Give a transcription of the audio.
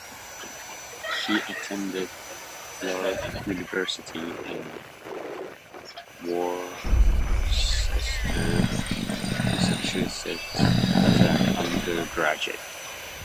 He attended Clark University in Worcester, Massachusetts as an undergraduate.